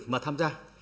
mà tham gia